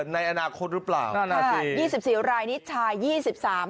ในอนาคตหรือเปล่านั่นน่ะสิยี่สิบสี่รายนี้ชายยี่สิบสาม